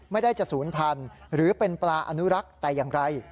ไม่ได้จะศูนย์พันธุ์หรือเป็นปลาอนุรักษ์แต่อย่างไร